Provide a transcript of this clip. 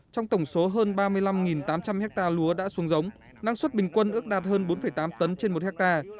trong tổng số hơn ba mươi năm tám trăm linh hectare lúa đã xuống giống năng suất bình quân ước đạt hơn bốn tám tấn trên một hectare